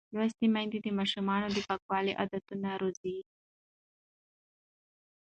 لوستې میندې د ماشوم د پاکوالي عادتونه روزي.